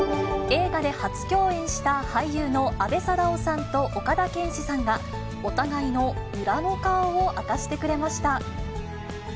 映画で初共演した俳優の阿部サダヲさんと岡田健史さんが、お互いの裏の顔を明かしてくれました。